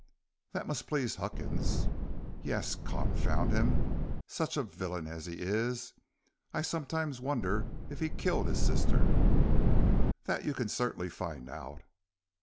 "That must please Huckins." "Yes, confound him! such a villain as he is! I sometimes wonder if he killed his sister." "That you can certainly find out."